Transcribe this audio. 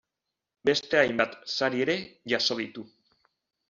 Beste hainbat sari ere jaso ditu.